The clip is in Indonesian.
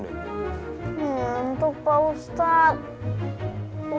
ngantuk pak ustadz